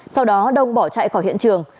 sau đó đông bỏ chạy khỏi hiện trường